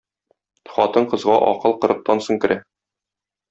Хатын-кызга акыл кырыктан соң керә.